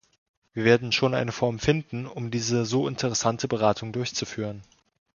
Wir werden schon eine Form finden, um diese so interessante Beratung durchzuführen.